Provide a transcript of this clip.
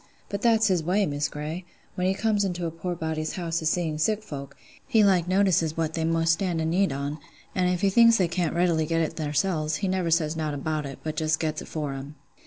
But that's his way, Miss Grey: when he comes into a poor body's house a seein' sick folk, he like notices what they most stand i' need on; an' if he thinks they can't readily get it therseln, he never says nowt about it, but just gets it for 'em.